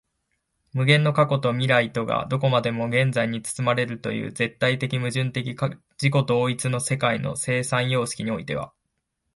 無限の過去と未来とがどこまでも現在に包まれるという絶対矛盾的自己同一の世界の生産様式においては、